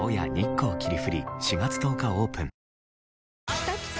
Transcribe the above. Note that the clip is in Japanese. きたきた！